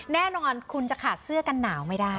แน่นอนคุณจะขาดเสื้อกันหนาวไม่ได้